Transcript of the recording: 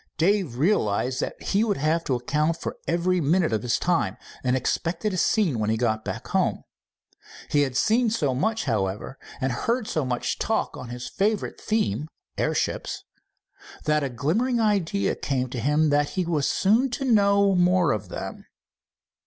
Dave realized that he would have to account for every minute of his time, and expected a scene when he got back home. He had seen so much, however, and heard so much talk on his favorite theme, airships, that a glimmering idea came to him that he was soon to know more of them.